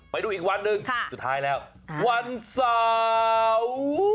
ไปดูอีกวันหนึ่งสุดท้ายแล้ววันเสาร์